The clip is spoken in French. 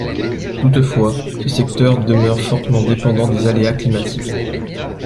Toutefois, ce secteur demeure fortement dépendant des aléas climatiques.